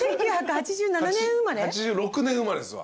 ８６年生まれですわ。